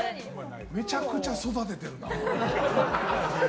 めちゃめちゃ育ててるな。